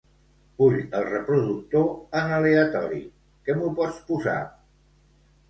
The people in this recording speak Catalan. Vull el reproductor en aleatori; que m'ho pots posar?